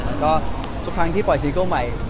แล้วก็ทุกครั้งที่ปล่อยซิงเกิ้ลใหม่